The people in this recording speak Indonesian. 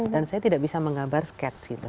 dan saya tidak bisa menggambar sketch gitu